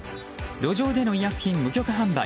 路上での医薬品無許可販売。